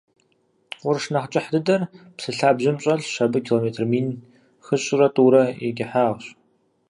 Къурш нэхь кӏыхь дыдэр псы лъабжьэм щӏэлъщ, абы километр мин хыщӏрэ тхурэ и кӏыхьагъщ.